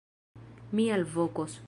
Mi alvokos!